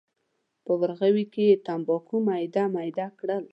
په ورغوي کې یې تنباکو میده میده کړل.